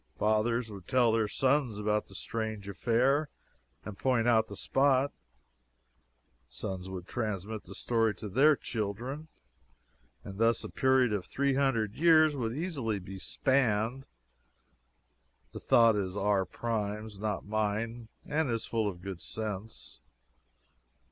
Fathers would tell their sons about the strange affair, and point out the spot; the sons would transmit the story to their children, and thus a period of three hundred years would easily be spanned [The thought is Mr. Prime's, not mine, and is full of good sense.